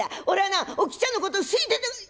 俺はなおきっちゃんのこと好いて。